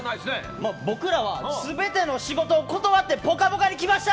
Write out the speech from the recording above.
僕らは全ての仕事を断って「ぽかぽか」に来ました！